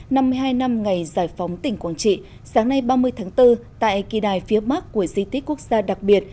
năm mươi hai năm ngày giải phóng tỉnh quảng trị sáng nay ba mươi tháng bốn tại kỳ đài phía mắc của di tích quốc gia đặc biệt